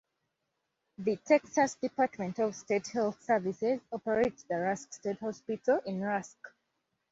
The Texas Department of State Health Services operates the Rusk State Hospital in Rusk.